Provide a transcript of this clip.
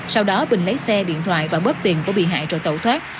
sau đó bình lấy xe điện thoại và bớt tiền của bị hại rồi tẩu thoát